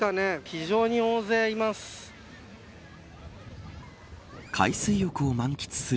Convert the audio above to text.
非常に大勢います。